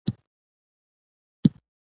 پښتو ژبه پر ذهن فشار نه راولي.